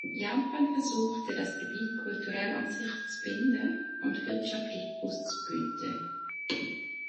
Japan versuchte, das Gebiet kulturell an sich zu binden und wirtschaftlich auszubeuten.